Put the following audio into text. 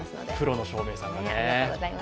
プロの照明さんがね。